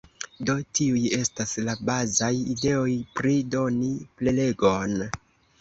Do tiuj estas la bazaj ideoj pri doni prelegon.